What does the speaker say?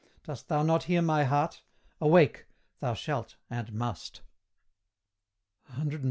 Dost thou not hear my heart? Awake! thou shalt, and must. CXXXIII.